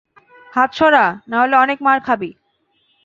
হাত সরা, নাহলে অনেক মার খাবি।